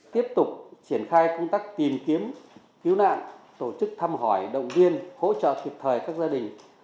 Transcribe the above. tiếp tục triển khai công tác tìm kiếm cứu nạn tổ chức thăm hỏi động viên hỗ trợ kịp thời các gia đình